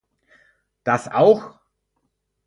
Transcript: Das auch!